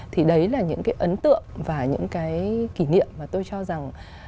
thì đấy là những cái ấn tượng và những cái kỷ niệm mà tôi cho rằng